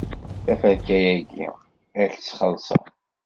Taferka-agi, ad k-tt-xelṣeɣ.